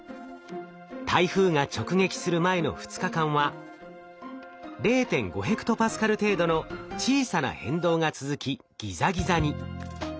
台風が直撃する前の２日間は０．５ヘクトパスカル程度の小さな変動が続きギザギザに。